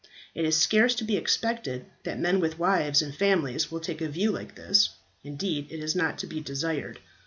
It is scarce to be expected that men with wives and families will take a view like this, indeed it is not to be desired.